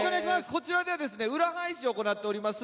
こちらでは裏配信を行ってます。